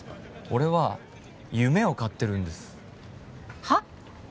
俺は夢を買ってるんですは？